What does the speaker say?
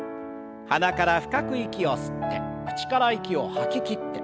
鼻から深く息を吸って口から息を吐ききって。